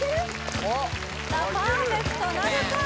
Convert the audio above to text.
さあパーフェクトなるか？